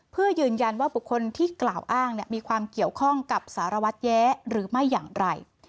เพื่อยืนยันว่าบุคคลที่กล่าวอ้างมีความเกี่ยวข้องกับสารวัตรแย้หรือไม่อย่างไร